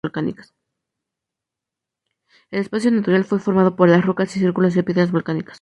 El espacio natural fue formado por las rocas y círculos de piedras volcánicas.